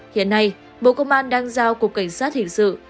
hiện nay bộ công an đang giao cục cảnh sát hiệp lực